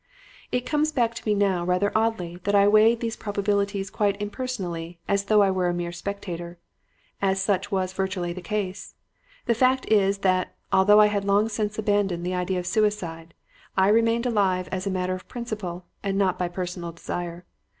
"It comes back to me now rather oddly that I weighed these probabilities quite impersonally, as though I were a mere spectator. And such was virtually the case. The fact is that, although I had long since abandoned the idea of suicide, I remained alive as a matter of principle and not by personal desire.